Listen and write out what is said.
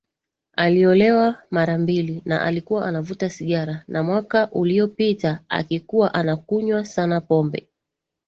aliolewa mara mbili na alikuwa anavuta sigara na mwaka uliyopita akikuwa anakunywa sana pombe